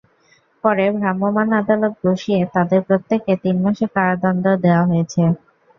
পরে ভ্রাম্যমাণ আদালত বসিয়ে তাঁদের প্রত্যেককে তিন মাসের কারাদণ্ড দেওয়া হয়েছে।